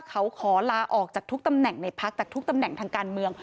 เขาขอลาออกจากทุกตำแหน่งในพักแต่ทุกตำแหน่งทางการเมือง